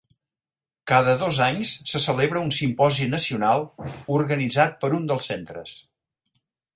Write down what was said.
Cada dos anys se celebra un simposi nacional, organitzat per un dels centres.